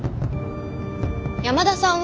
山田さんは。